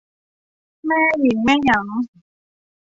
แม่หญิงแม่หยัง